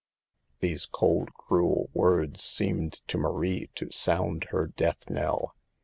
These cold, cruel words seemed to Marie to sound her death knell.